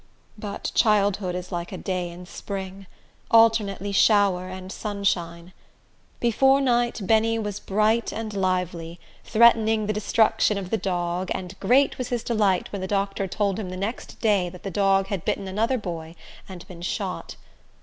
But childhood is like a day in spring, alternately shower and sunshine. Before night Benny was bright and lively, threatening the destruction of the dog; and great was his delight when the doctor told him the next day that the dog had bitten another boy and been shot.